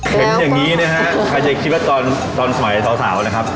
เห็นอย่างนี้นะฮะใครจะคิดว่าตอนสมัยสาวนะครับ